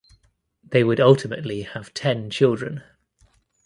They would ultimately have ten children.